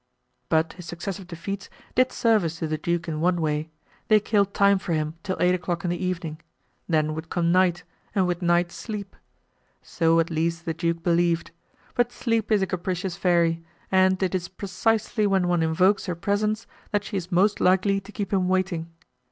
But his successive defeats did service to the duke in one way—they killed time for him till eight o'clock in the evening; then would come night, and with night, sleep. So, at least, the duke believed; but sleep is a capricious fairy, and it is precisely when one invokes her presence that she is most likely to keep him waiting.